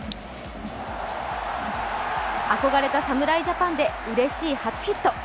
憧れた侍ジャパンでうれしい初ヒット。